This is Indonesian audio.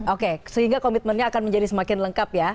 oke sehingga komitmennya akan menjadi semakin lengkap ya